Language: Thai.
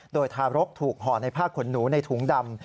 โดยทารกถูกห่อในผ้าขนหนูในถุงดำ